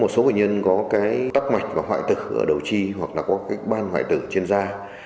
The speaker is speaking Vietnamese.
một số bệnh nhân có cái tắc mạch và hoại tử ở đầu chi hoặc là có cái ban hoại tử trên da